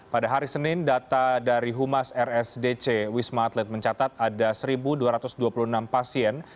pada hari senin data dari humas rsdc wisma atlet mencatat ada satu dua ratus dua puluh enam pasien